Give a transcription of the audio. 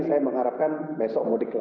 saya mengharapkan besok